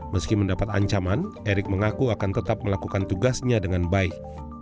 meski mendapat ancaman erick mengaku akan tetap melakukan tugasnya dengan baik